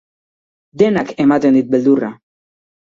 Denak ematen dit beldurra.